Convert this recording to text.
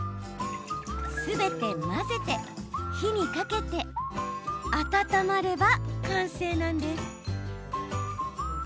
すべて混ぜて、火にかけ温まれば完成です。